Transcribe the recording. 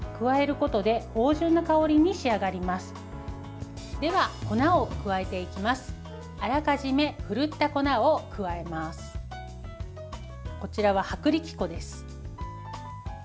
こちらは薄力粉です。